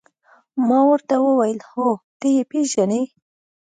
ما ورته وویل: هو، ته يې پېژنې؟